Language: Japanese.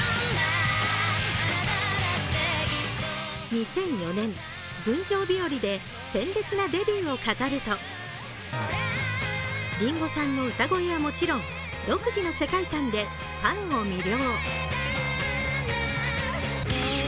２００４年、「群青日和」で鮮烈なデビューを飾ると、林檎さんの歌声はもちろん、独自の世界観でファンを魅了。